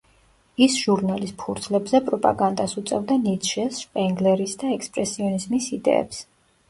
ის ჟურნალის ფურცლებზე პროპაგანდას უწევდა ნიცშეს, შპენგლერის და ექსპრესიონიზმის იდეებს.